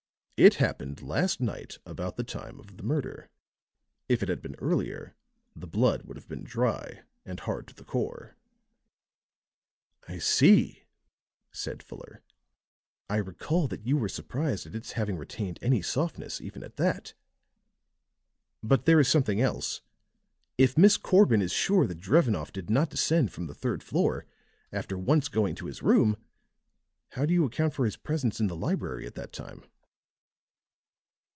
"It happened last night about the time of the murder. If it had been earlier the blood would have been dry and hard to the core." "I see," said Fuller. "I recall that you were surprised at its having retained any softness, even at that. But there is something else. If Miss Corbin is sure that Drevenoff did not descend from the third floor, after once going to his room, how do you account for his presence in the library at that time?"